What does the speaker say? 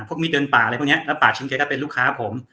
พวกมีดเดินป่าอะไรพวกนี้แล้วป่าชิงแกก็เป็นลูกค้าผม